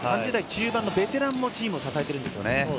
３０代中盤のベテランもチームを支えているんですね。